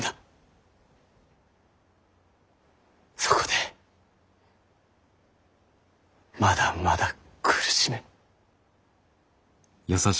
そこでまだまだ苦しめ。